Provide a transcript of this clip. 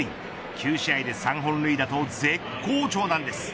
９試合で３本塁打と絶好調なんです。